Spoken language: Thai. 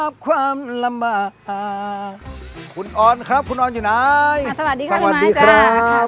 สวัสดีครับพี่ไม้สวัสดีครับ